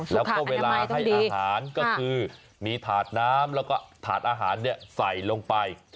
แล้วก็เวลาให้อาหารก็คือมีถาดน้ำแล้วก็ถาดอาหารใส่ลงไป